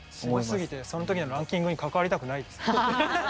すごすぎてその時のランキングに関わりたくないです。